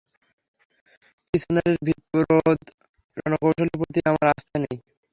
কিচ্যানারের ভীতিপ্রদ রণকৌশলের প্রতি আমার আস্থা নেই।